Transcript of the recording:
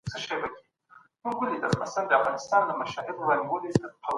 ولي خلګو نژادي علتونه يادول؟